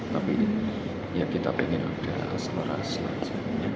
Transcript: tapi ya kita pengen udah asal asal aja